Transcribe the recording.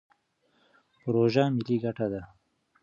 پروژه ملي ګټه ده.